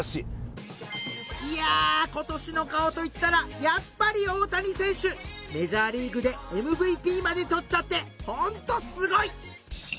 いやことしの顔といったらやっぱりメジャーリーグでＭＶＰまでとっちゃってホントすごい！